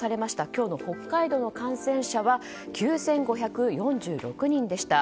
今日の北海道の感染者は９５４６人でした。